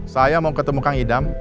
saya mau ketemu kang idam